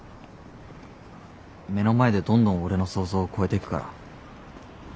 目の前でどんどん俺の想像を超えていくから。